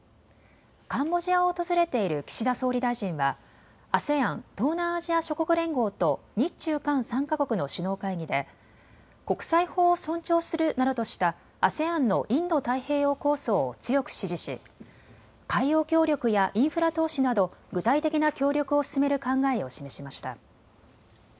カンボジアを訪れている岸田総理大臣はＡＳＥＡＮ・東南アジア諸国連合と日中韓３か国の首脳会議で国際法を尊重するなどとしたＡＳＥＡＮのインド太平洋構想を強く支持し海洋協力やインフラ投資など具体的な協力を進める考えを示しました。